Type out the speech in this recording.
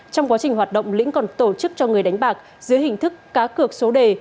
trong quá trình hoạt động lĩnh còn tổ chức cho người đánh bạc dưới hình thức cá cược số đề